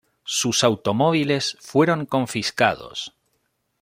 Sus automóviles fueron confiscados.